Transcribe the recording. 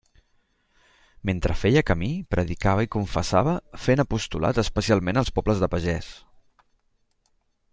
Mentre feia camí, predicava i confessava, fent apostolat, especialment als pobles de pagès.